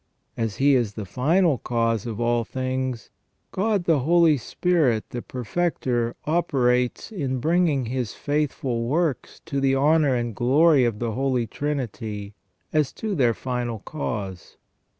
As He is the Final Cause of all things, God the Holy Spirit, the Perfecter, operates in bringing His faithful works to the honour and glory of the Holy Trinity as to their Final Cause.